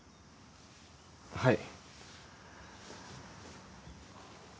はい。